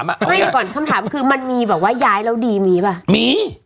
ไม่แต่ก่อนคำถามคือมันมีแบบว่าย้ายเราดีมีป่ะมี